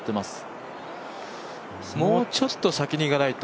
もうちょっと先にいかないと。